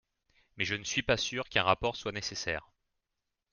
Mais je ne suis pas sûr qu’un rapport soit nécessaire.